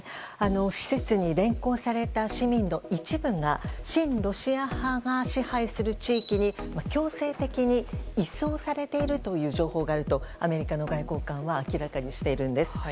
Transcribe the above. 施設に連行された市民の一部が親ロシア派が支配する地域に強制的に移送されているという情報があるとアメリカの外交官は明らかにしているんです。